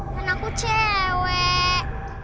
kan aku cewek